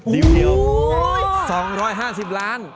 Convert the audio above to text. ๒๕๐ล้าน